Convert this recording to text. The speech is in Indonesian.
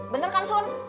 bener kan sur